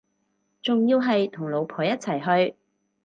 仲要係同老婆一齊去